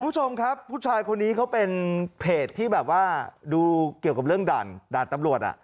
คุณผู้ชมครับผู้ชายคนนี้เขาเป็นเพจที่แบบว่าดูเกี่ยวกับเรื่องด่านด่านตำรวจอ่ะ